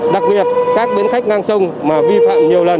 đặc biệt các bến khách ngang sông mà vi phạm nhiều lần